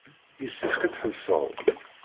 Yessefk ad tḥebseɣ.